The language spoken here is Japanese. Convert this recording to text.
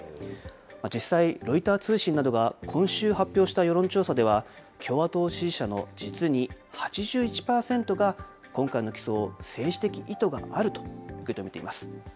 実際、ロイター通信などが今週発表した世論調査では、共和党支持者の実に８１％が今回の起訴を政治的意図があると受け止めています。